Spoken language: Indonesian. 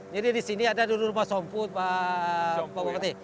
jadi di sini ada rumah sompu pak bupati